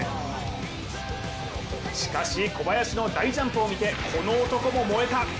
しかし小林の大ジャンプを見て、この男も燃えた。